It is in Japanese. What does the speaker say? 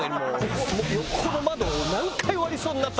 横の窓を何回割りそうになった事か。